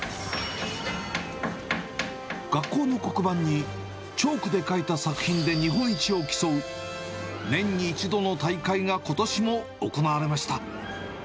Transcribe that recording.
学校の黒板にチョークで描いた作品で日本一を競う、年に１度の大会がことしも行われました。